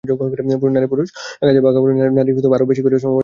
নারী-পুরুষ কাজের ভাগাভাগি হলে নারী আরও বেশি করে শ্রমবাজারে আসতে পারবে।